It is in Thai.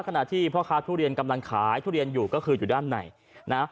ขณะที่พ่อค้าทุเรียนกำลังขายทุเรียนอยู่ก็คืออยู่ด้านในนะ